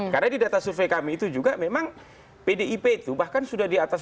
karena di data survei kami itu juga memang pdip itu bahkan sudah dianggap